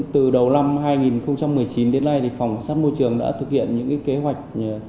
từ đầu năm hai nghìn một mươi chín đến nay phòng cảnh sát môi trường đã thực hiện những kế hoạch